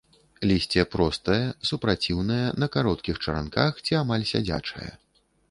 Лісце простае, супраціўнае, на кароткіх чаранках ці амаль сядзячае.